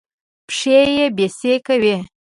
پښې يې بېسېکه وې.